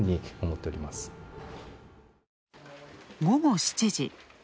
午後７時。